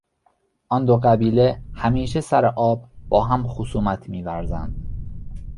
آن دو قبیله همیشه سر آب با هم خصومت میورزند.